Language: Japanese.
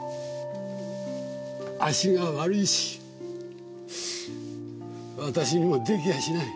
足が悪いし私も出来やしない。